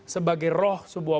sebagai roh sebuah